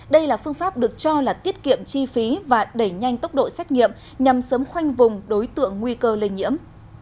đây là phương pháp được cho là tiết kiệm chi phí và đẩy nhanh tốc độ xét nghiệm nhằm sớm khoanh vùng đối tượng nguy cơ lây nhiễm